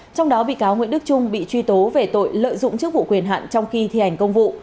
trong đó bị cáo nguyễn đức trung bị truy tố về tội lợi dụng chức vụ quyền hạn trong khi thi hành công vụ